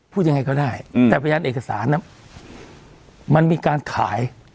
พูดยังไงก็ได้แต่พยานเอกสารมันมีการขาย